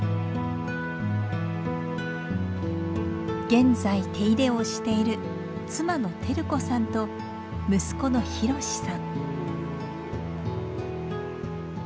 現在手入れをしている妻の輝子さんと息子の博さん。